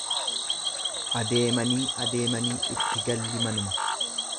Adeemanii adeemanii itti galli manuma.